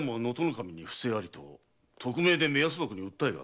守に不正あり」と匿名で目安箱に訴えがあったな？